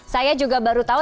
saya juga baru tahu